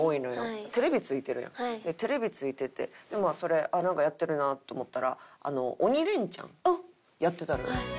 テレビ付いててまあそれなんかやってるなと思ったら『鬼レンチャン』やってたのよ。